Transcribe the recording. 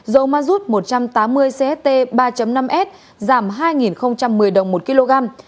dầu mazut một trăm tám mươi cst ba năm s giảm hai một mươi đồng